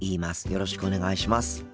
よろしくお願いします。